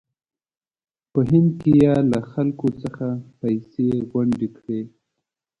په هند کې یې له خلکو څخه پیسې غونډې کړې.